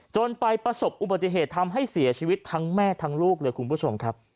จนไปประสบอุบัติเหตุทำให้เสียชีวิตทั้งแม่ทั้งลูกเลยคุณผู้ชมครับ